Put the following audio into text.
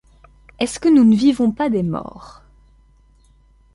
Est-ce que nous ne vivons pas des morts ?